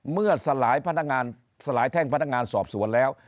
เมื่อสลายแท่งพนักงานสอบสวนแล้ว